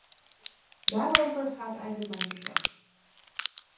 Daarover gaat eigenlijk mijn verslag.